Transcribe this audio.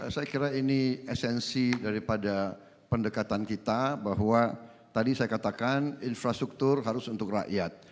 saya kira ini esensi daripada pendekatan kita bahwa tadi saya katakan infrastruktur harus untuk rakyat